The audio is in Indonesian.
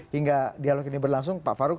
hingga dialog ini berlangsung pak faruk